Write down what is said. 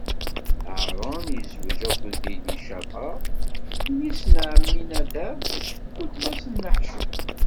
Haṛun izweǧ akked Ilicaba, yelli-s n Ɛaminadab, weltma-s n Naḥcun.